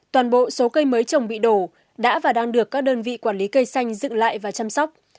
toàn bộ số cây mới trồng bị đổ đã và đang được các đơn vị quản lý cây xanh dựng lại và chăm sóc